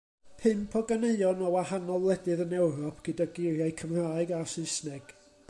Pump o ganeuon o wahanol wledydd yn Ewrop gyda geiriau Cymraeg a Saesneg.